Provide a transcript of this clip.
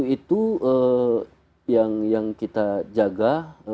tiga puluh delapan itu yang kita jaga